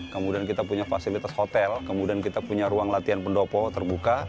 kemudian kita punya fasilitas hotel kemudian kita punya ruang latihan pendopo terbuka